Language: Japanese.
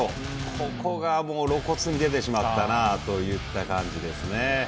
ここが露骨に出てしまったなという感じですね。